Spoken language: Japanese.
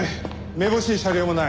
めぼしい車両もない。